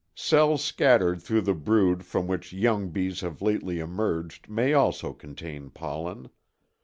Cells scattered through the brood from which young bees have lately emerged may also contain pollen.